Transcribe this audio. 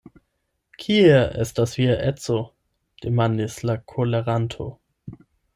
Kie estas via edzo!? demandis la koleranto.